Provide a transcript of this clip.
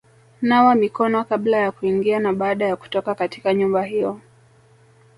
Nawa mikono kabla ya kuingia na baada ya kutoka katika nyumba hiyo;